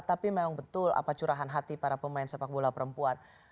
tapi memang betul apa curahan hati para pemain sepak bola perempuan